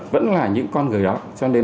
vẫn là những con người đó